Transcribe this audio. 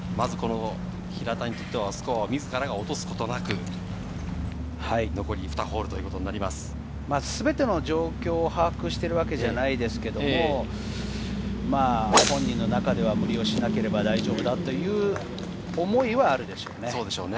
平田にとってはスコアを自ら落とすことなく全ての状況を把握しているわけじゃないですけれど、本人の中では無理をしなければ大丈夫だという思いはあるでしょうね。